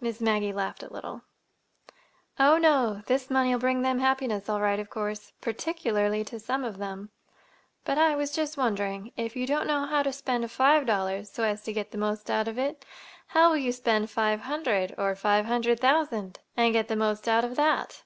Miss Maggie laughed a little. "Oh, no! This money'll bring them happiness all right, of course,—particularly to some of them. But I was just wondering; if you don't know how to spend five dollars so as to get the most out of it, how will you spend five hundred, or five hundred thousand—and get the most out of that?"